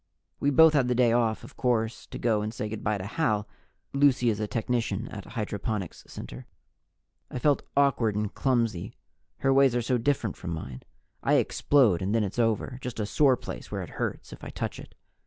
We both had the day off, of course, to go and say good by to Hal Lucy is a technician at Hydroponics Center. I felt awkward and clumsy. Her ways are so different from mine; I explode and then it's over just a sore place where it hurts if I touch it.